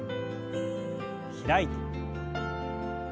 開いて。